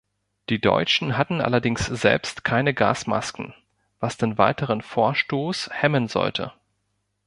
Die Deutschen hatten allerdings selbst keine Gasmasken, was den weiteren Vorstoß hemmen sollte.